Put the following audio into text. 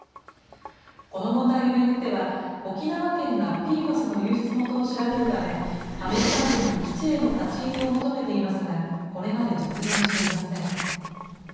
この問題を巡っては、沖縄県がＰＦＡＳの流出元を調べるため、アメリカ軍に基地への立ち入りを求めていますが、これまで実現していません。